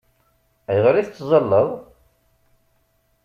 Ayɣer i tettazzaleḍ?